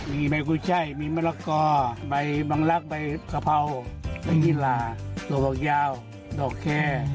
มีใบกุชัยมีมะละกอใบบังลักใบกะเพราใบหินลาตัวบอกยาวดอกแค่